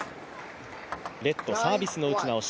レット、サービスの打ち直し。